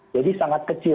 jadi sangat kecil